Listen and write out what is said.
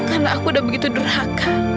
karena aku udah begitu durhaka